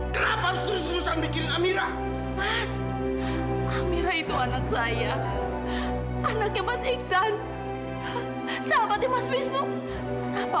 kenapa harus terus terusan bikin amira